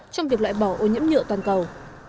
trong việc loại bỏ ô nhiễm nhựa toàn cầu